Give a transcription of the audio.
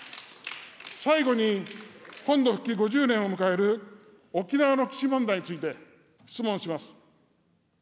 最後に、本土復帰５０年を迎える沖縄の基地問題について質問します。